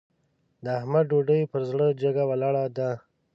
د احمد ډوډۍ پر زړه جګه ولاړه ده.